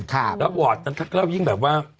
แล้ววอร์ดนั้นถ้าเรายิ่งแบบว่า